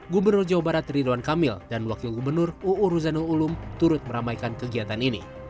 gubernur jawa barat ridwan kamil dan wakil gubernur uu ruzanul ulum turut meramaikan kegiatan ini